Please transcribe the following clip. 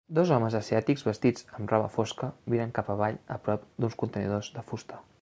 Dos homes asiàtics vestits amb roba fosca miren cap avall a prop d'uns contenidors de fusta.